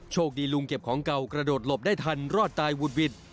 ลุงเก็บของเก่ากระโดดหลบได้ทันรอดตายวุดหวิด